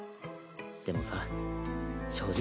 でもさ正直